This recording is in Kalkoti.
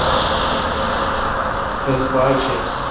رس پاک تھ۔